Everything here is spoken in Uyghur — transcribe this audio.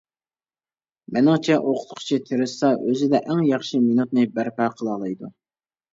مېنىڭچە ئوقۇتقۇچى تىرىشسا ئۆزىدە ئەڭ ياخشى مىنۇتنى بەرپا قىلالايدۇ.